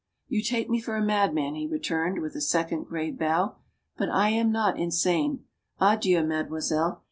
"You take me for a madman," he returned, with a second grave bow. "But I am not insane. Adieu, mademoiselle.